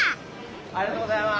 ありがとうございます。